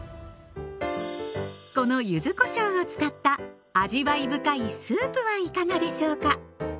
この柚子こしょうを使った味わい深いスープはいかがでしょうか。